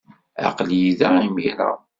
Aql-iyi da imir-a.